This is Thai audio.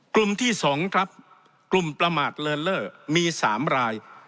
กลุ่มที่สองครับกลุ่มประมาทเลอร์เลอร์มีสามราย